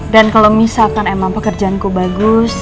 dan kalau misalkan emang pekerjaanku bagus